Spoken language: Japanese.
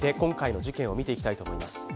改めて今回の事件を見ていきたいと思います。